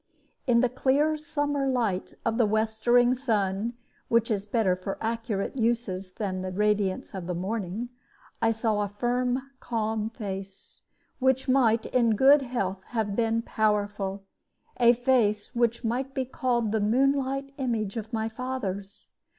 In the clear summer light of the westering sun (which is better for accurate uses than the radiance of the morning) I saw a firm, calm face, which might in good health have been powerful a face which might be called the moonlight image of my father's.